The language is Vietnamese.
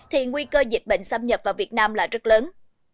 thì nguy cơ dịch bệnh xâm nhập vào việt nam là rất lớn